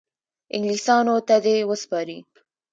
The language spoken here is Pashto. انګلیسیانو ته دي وسپاري.